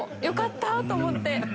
よかったと思って。